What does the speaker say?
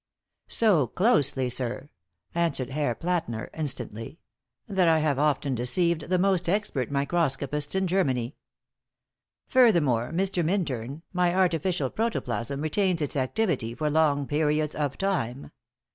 "So closely, sir," answered Herr Plätner, instantly, "that I have often deceived the most expert microscopists in Germany. Furthermore, Mr. Minturn, my artificial protoplasm retains its activity for long periods of time.